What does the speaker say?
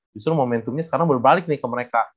justru momentumnya sekarang berbalik nih ke mereka